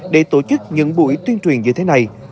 để tổ chức những buổi tuyên truyền như thế này